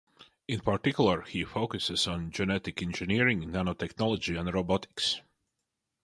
In particular, he focuses on genetic engineering, nanotechnology and robotics.